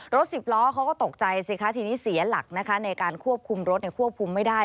สิบล้อเขาก็ตกใจสิคะทีนี้เสียหลักนะคะในการควบคุมรถควบคุมไม่ได้